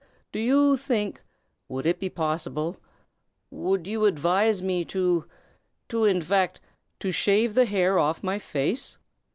Do you think would it be possible would you advise me to to in fact, to shave the hair off my face?"